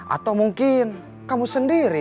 atau mungkin kamu sendiri